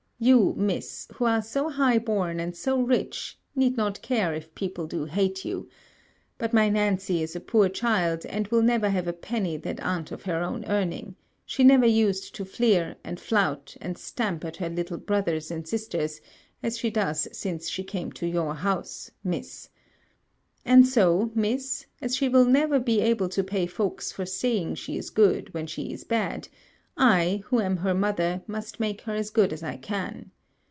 You, Miss, who are so high born and so rich, need not care if people do hate you; but my Nancy is a poor child, and will never have a penny that an't of her own earning she never used to fleer, and flout, and stamp at her little brothers and sisters, as she does since she came to your house, Miss. And so, Miss, as she will never be able to pay folks for saying she is good when she is bad, I, who am her mother, must make her as good as I can.